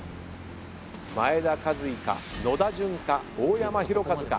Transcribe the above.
前田和威か野田潤か大山大和か。